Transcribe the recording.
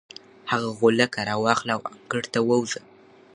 هغه غولکه راواخله او انګړ ته ووځه.